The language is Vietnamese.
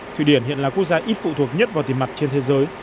thụy điển hiện là quốc gia ít phụ thuộc nhất vào tiền mặt trên thế giới